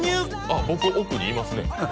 あっ僕奥にいますね